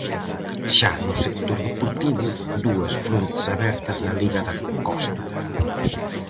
Xa no sector deportivo, dúas frontes abertas na liga da Costa.